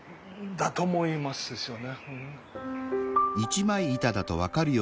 だと思いますですよね。